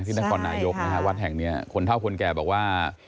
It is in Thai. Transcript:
ที่นักกรหน่ายกนะฮะวัดแห่งเนี้ยคนเท่าคนแก่บอกว่า